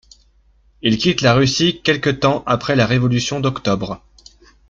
Il quitte la Russie quelque temps après la Révolution d'Octobre.